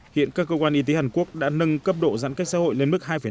hiện các cơ quan y tế hàn quốc đã nâng cấp độ giãn cách xã hội lên mức hai năm